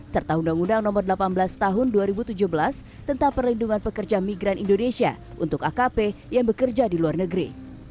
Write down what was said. serta undang undang nomor delapan belas tahun dua ribu tujuh belas tentang perlindungan pekerja migran indonesia untuk akp yang bekerja di luar negeri